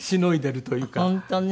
本当ね。